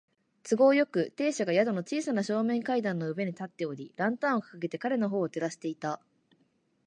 都合よく、亭主が宿の小さな正面階段の上に立っており、ランタンをかかげて彼のほうを照らしていた。